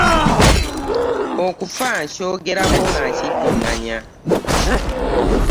Okufa nyogerako nga nkiddinganya .